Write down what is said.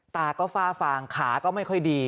ตาก็ฝ้าฟางขาก็ไม่ค่อยดี